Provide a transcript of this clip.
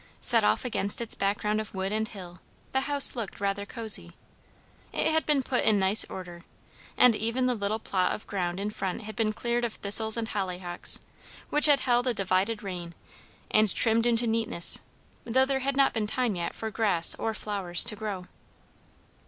Set off against its background of wood and hill, the house looked rather cosy. It had been put in nice order, and even the little plot of ground in front had been cleared of thistles and hollyhocks, which had held a divided reign, and trimmed into neatness, though there had not been time yet for grass or flowers to grow.